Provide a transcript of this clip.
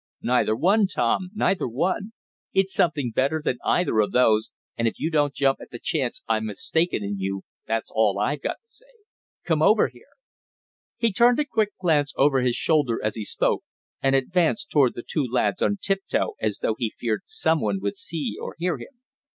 "Neither one, Tom, neither one. It's something better than either of those, and if you don't jump at the chance I'm mistaken in you, that's all I've got to say. Come over here." He turned a quick glance over his shoulder as he spoke and advanced toward the two lads on tiptoe as though he feared some one would see or hear him.